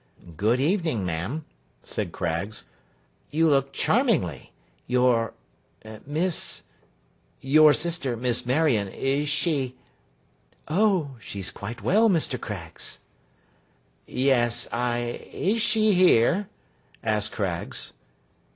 'Good evening, ma'am,' said Craggs. 'You look charmingly. Your—Miss—your sister, Miss Marion, is she—' 'Oh, she's quite well, Mr. Craggs.' 'Yes—I—is she here?' asked Craggs.